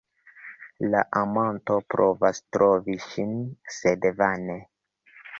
La amanto provas trovi ŝin, sed vane.